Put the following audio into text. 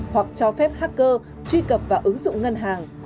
hoặc cho phép hacker truy cập vào ứng dụng ngân hàng